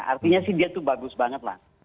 artinya sih dia tuh bagus banget lah